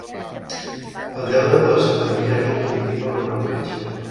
El deu d'agost en Quel i en Quintí volen anar al metge.